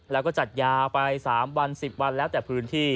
และก็จัดยาไปสามวันสิบวันแล้วแต่พื้นที่